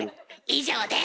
以上です！